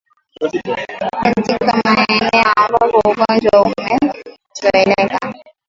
Katika maeneo ambapo ugonjwa umezoeleka